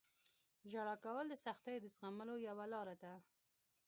• ژړا کول د سختیو د زغملو یوه لاره ده.